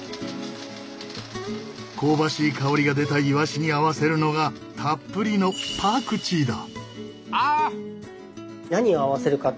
香ばしい香りが出たイワシに合わせるのがたっぷりのパクチーだ。